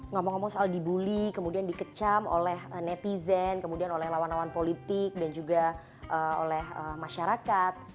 ngomong ngomong soal dibully kemudian dikecam oleh netizen kemudian oleh lawan lawan politik dan juga oleh masyarakat